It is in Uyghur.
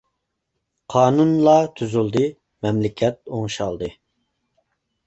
قانۇنلا تۈزۈلدى مەملىكەت ئوڭشالدى.